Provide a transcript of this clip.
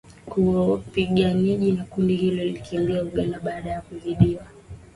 Wapiganaji wa kundi hilo walikimbilia Uganda baada ya kuzidiwa